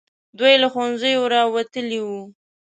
دوی له ښوونځیو راوتلي وو.